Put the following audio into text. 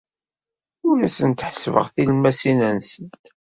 Ur asent-ḥessbeɣ tilmmasin-nsent.